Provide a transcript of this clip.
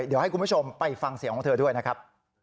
เดี๋ยวให้คุณผู้ชมไปฟังเสียงของเธอด้วยนะครับ